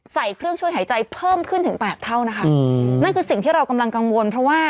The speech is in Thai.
ใส่เครื่องช่วยหายใจเพิ่มขึ้นถึงแปดเท่านะคะอืมนั่นคือสิ่งที่เรากำลังกังวลเพราะว่า